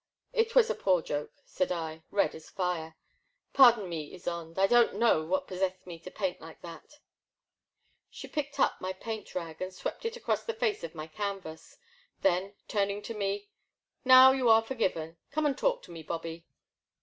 It was a poor joke/* said I, red as fire, par don me, Ysonde, I don't know what possessed me to paint like that. She picked up my paint rag and swept it across the face of my canvas; then turning to me :Now you are forgiven ; come and talk to me, Bobby.